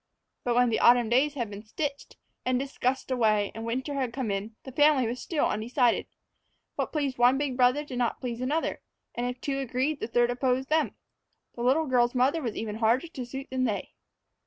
But when the autumn days had been stitched and discussed away and winter had come in, the family was still undecided. What pleased one big brother did not please another; and if two agreed, the third opposed them. The little girl's mother was even harder to suit than they.